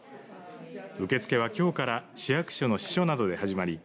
受け付けは今日から市役所の支所などで始まり